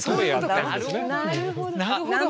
なるほど。